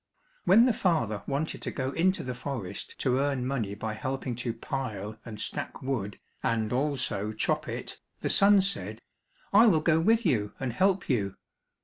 When the father wanted to go into the forest to earn money by helping to pile and stack wood and also chop it, the son said, "I will go with you and help you."